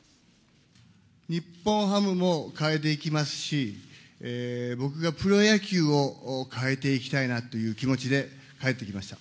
日本ハムも変えていきますし、僕がプロ野球を変えていきたいなという気持ちで帰ってきました。